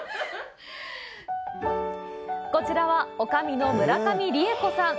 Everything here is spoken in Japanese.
こちらは女将の村上りえ子さん。